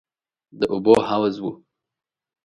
د اوبو حوض و.